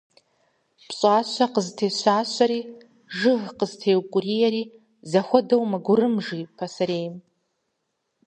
Пщӏащэ къызытещащэри, жыг къызытеукӏуриери зэхуэдэу мэгурым, жи пасэрейм.